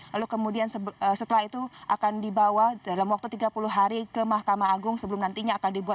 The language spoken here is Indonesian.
lalu kemudian setelah itu akan dibawa dalam waktu tiga puluh hari ke mahkamah agung sebelum nantinya akan dibuat